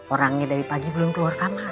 orangnya dari pagi belum keluar kamar